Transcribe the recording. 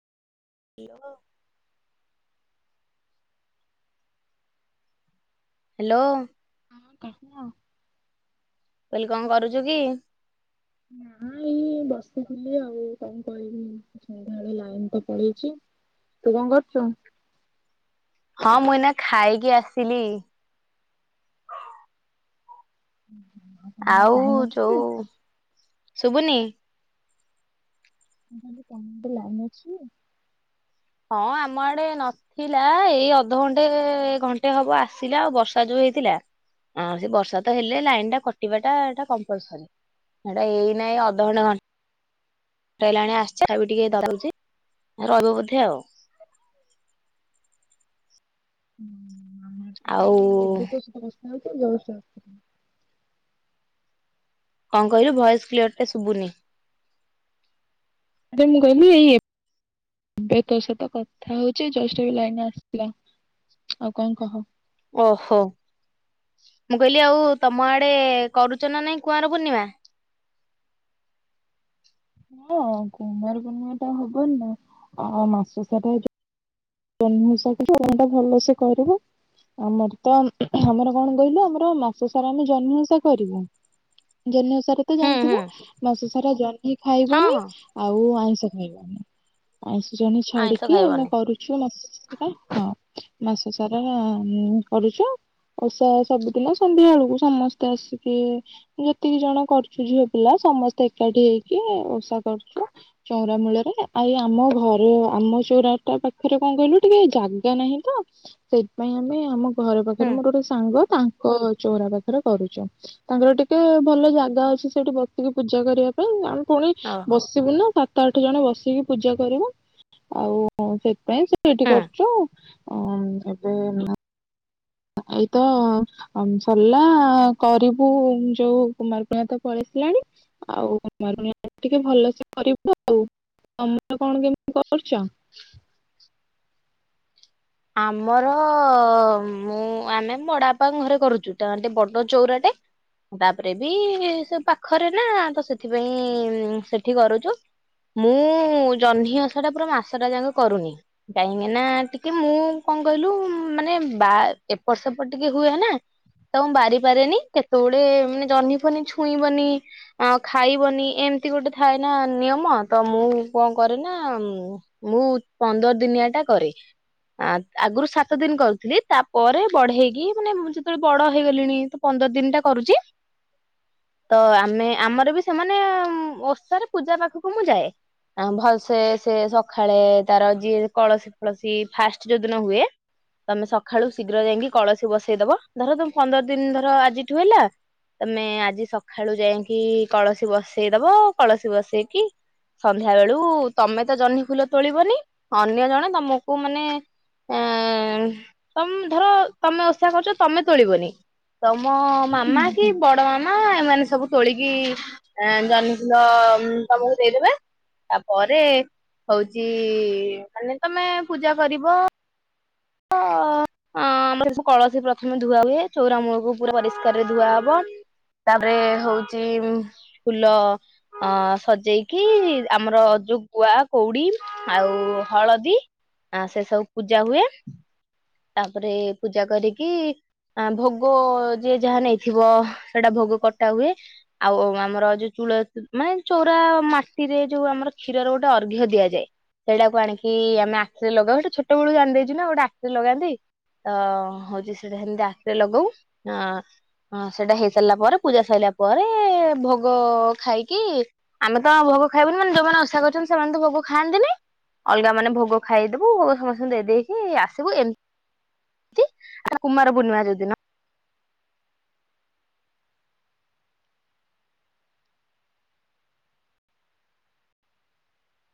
ଆଓ ହ୍ୟାଲୋ। ହଁ କହ। କଣ କରୁଚୁ କି? ନାଇ ବସିଥିଲି ଆଉ କଣ କରିବି ସନ୍ଧ୍ୟାଳେ ଲାଇନ ତ ପଳେଇଛି ତୁ କଣ କରୁଚୁ? ହଁ ମୁଇନା ଖାଇକି ଆସିଲି। ହୁଁ। ଆଉ ଯୋଉ ଶୁଭୁନି ତମ ପଟେ ଲାଇନ୍ ଅଛି? ହଁ ଆମ ଆଡେ ନଥିଲା ଏଇ ଅଧଘଣ୍ଟେ ଘଣ୍ଟେ ହବ ଆସିଲା ଆଉ ବର୍ଷା ଯୋଉ ହେଇଥିଲା ସେ ବର୍ଷା ତ ହେଲ ଲଇନ୍ ଟା କରିବାଟି କମ୍ପଲସରି ଏଆଡେ ହେଇନାଇ ଅଧଘଣ୍ଟେ ଘଣ୍ଟେ ଘଣ୍ଟେ ହେଲାଣି ଆସିଛି ଏବେ ଟିକେ ଦବୁଛି ରହିବ ବୋଧେ ଆଉ। ହୁଁ। ଆଉ ଆଉଛ ଜଷ୍ଟ। କଣ କହିଲୁ ଭଏସ୍ କ୍ଲିୟର ଟା ଶୁଭୁନି। ଆରେ ମୁଁ କହିଲି ଏ ପି ଏବେ ତୋ ସତ କଥା ହଉଚ ଜଷ୍ଟ ବି ଲାଇନ ଆସିଲା ଆଉ କଣ କହ? ଓହୋ। ମୁଁ କହିଲି ଆଉ ତମ ଆଡେ କରୁଛ ନା ନାଇଁ କୁଆଁର ପୂର୍ଣ୍ଣିମା? ହଁ କୁମାର ପୂର୍ଣ୍ଣିମା ଟା ହବନି ମାସ ସାରା ଯୋଉ ଜହ୍ନି ଓଷା ଟା [inaudible] ଭଲରେ କରିବୁ। ଆମର ତ ଊହ୍ନୁ ଆମର କଣ କହିଲୁ ଆମର ମାସ ସାରା ଆମ ଜହ୍ନି ଓଷା କରିବୁ ଜହ୍ନି ଓଷାରେ ତ ହୁଁ ହୁଁ ଜାଣିଥିବୁ ମାସ ସାରା ଜହ୍ନି ହଁ ଖାଇବନି ହଁ ଆଉ ଆଇଁଷ ଖାଇବନି ଆଇଁଷ ଜହ୍ନି ଆଇଁଷ ଛାଡିକି ଆମେ ଖାଇବନି କରୁଛୁ ମାସ ସାରା ହଁ। ମାସ ସାରା ଉ କରୁଛୁ? ଓଷା ସବୁଦିନ ସନ୍ଧ୍ୟା ବେଳକୁ ସମସ୍ତେ ଆସିକି ଇ ଯେତିକି ଜଣ କରୁଛୁ ଝିଅ ପିଲା ସମସ୍ତେ ଏକାଠି ହେଇକି ଓଷା କରୁଛୁ ଚଉରା ମୂଳରେ ଆଇ ଆମ ଘରେ ଆମ ଚଉରାଟା ପାଖ ପାଖରେ କଣ କହିଲୁ ଟିକେ ଜାଗା ନାହିଁ ତ ସେଇଥିପାଇଁ ଆମେ ଆମ ଘର ହୁଁ। ପାଖରେ ମୋର ଗୋଟେ ସାଙ୍ଗ ତାଙ୍କ ଚଉରା ପାଖରେ କରୁଛୁ। ତାଙ୍କର ଟିକେ ଭଲ ଜାଗା ଅଛି ସେଇଠି ବସିକି ପୂଜା କରିବା ସେଇଟୁ ଆମ ପୁଣି ଓହୋ ବସିବୁ ନା ସାତ ଆଠ ଜଣ ବସିକି ପୂଜା କରିବୁ ଆଉ ସେ ପାଇଁ ସେ ଏଇଠି ହୁଁ କରୁଛୁ ଅ ଏବେ ଏଇତ ସରିଲା କରିବୁ ଯୋଉ କୁମାର ପୂର୍ଣ୍ଣିମା ତ ପଳେ ଆସିଲାଣି ଆଉ କୁମାର ପୂର୍ଣ୍ଣିମା ଟିକେ ଭଲସେ କରିବୁ ଆଉ। [unintelligible] କଣ କେମତି କରୁଛ? ଆମର ମୁଁ ଆମେ ବଡ଼ବାପା ଙ୍କ ଘରେ କରୁଛୁ ତାଙ୍କର ବଡ ଚଉରାଟେ ତାପରେ ବି ସେ ପାଖରେ ନା ତ ସେଥିପାଇଁ ସେଠି କରୁଛୁ। ମୁଁ ଜହ୍ନି ଓଷା ଟା ପୁରା ମାସ ଟା ଯାକ କରୁନି କାହିଁକି ନା ଟି କେ ମୁଁ କଣ କହିଲୁ ମାନେ ବା ଏପଟ ସେପଟ ଟିକେ ହୁଏ ନା ତ ମୁଁ ବାରି ପାରେନି କେତେବେଳେ ମାନେ ଜହ୍ନିିଫନି ଛୁଇଁବନି ଆ ଖାଇବନି ଏମିତି ଏମିତି ଗୋଟେ ଥାଏ ନା ନିୟମ ତ ମୁଁ କଣ କରେ ନା ମୁଁ ପନ୍ଦର ଦିନିଆ ଟା କରେ ଆଗରୁ ସାତ ଦିନ କରୁଥିଲି ତାପରେ ବଢେଇକି ମାନେ ଯେତେବେଳେ ବଡ ହେଇଗଲିଣି ପନ୍ଦର ଦିନ ଟା କରୁଛି। ତ ଆମେ ଆମର ବି ସେମାନେ ଓଷାରେ ପୂଜା ପାଖକୁ ମୁଁ ଯାଏ। ଆ ଭଲସେ ସେ ସଖାଳେ ତାର ଯିଏ କଳସୀ ଫଳସୀ ଫାଷ୍ଟ ଯୋଉଦିନ ହୁଏ ତମେ ସକାଳୁ ଶୀଘ୍ର ଯାଇକି କଳସୀ ବସେଇଦବ ଧର ତମେ ପନ୍ଦର ଦିନ ଧର ଆଜିଠୁ ହେଲା ତମେ ଆଜି ସକାଳୁ ଯାଇକି କଳସୀ ବସେଇଦବ କଳସୀ ବସେଇକି ସନ୍ଧ୍ୟା ବେଳୁ ତମେ ତ ଜହ୍ନି ଫୁଲ ତୋଳିବନି ଅନ୍ୟ ଜଣେ ତମ କୁ ମାନେ ଅ- ଏ ତମ ଧର ତମେ ଓଷା କରୁଛ ତମେ ତୋଳିବନି ତମ ମାମା କି ବଡ ମାମା ଏମାନେ ସବୁ ତୋଳିକି ଜହ୍ନି ଫୁଲ ତମକୁ ଦେଇଦେବେ। ତାପରେ ହଉଚି ମାନେ ତମେ ପୂଜା କରିବ। ବ ଅ। ଅ ଆମର କଳସୀ ପ୍ରଥମେ ଧୁଆ ହୁଏ ଚଉର ମୂଳକୁ ପୁରା ପରିଷ୍କାରରେ ଧୁଆ ହବ। ତାପରେ ହଉଚି ଫୁଲ ଅ ସଜେଇକି ଆମର ଯୋଉ ଗୁଆ କୋଉଡି ଆଉ ହଳଦୀ ଆ ସେ ସବୁ ପୂଜା ହୁଏ। ତାପରେ ପୂଜା କରିକି ଆ ଭୋଗ ଯିଏ ଯାହା ନେଇଥିବ ସେଇଟା ଭୋଗ କଟା ହୁଏ ଆଉ ଆମର ଯୋଉ ତୁଳ ମାନେ ଚଉରା ମାଟିରେ ଯୋଉ ଆମର କ୍ଷୀରର ଗୋଟେ ଅର୍ଘ ଦିଆଯାଏ। ସେଇଟାକୁ ଆଣିକି ଆମେ ଆଖିରେ ଲଗାଉ ହେଟା ଛୋଟବେଳୁ ଜାଣି ଦେଇଛୁ ନା ଗୋଟେ ଆଖିରେ ଲଗାନ୍ତି। ଅ ହଉଛି ସେଇଟା ହେମିତି ଆଖିରେ ଲଗଉ ଅ ହଁ ସେଇଟା ହେଇ ସାରିଲା ପରେ ପୂଜା ସାରିଲା ପରେ ଭୋଗ ଖାଇକି ଆମେ ତ ଭୋଗ ଖାଇବନି ମାନେ ଯୋଉମାନେ ଓଷା କରଛନ୍ତି ସେମାନେ ତ ଭୋଗ ଖାଆନ୍ତିନି। ଅଲଗା ମାନେ ଭୋଗ ଖାଇଦବୁ ଭୋଗ ସମସ୍ତଙ୍କୁ ଦେଇେଇକି ଆସିବୁ ଏମତି ଆ କୁମାର ପୂର୍ଣ୍ଣିମା ଯଉଦିନ।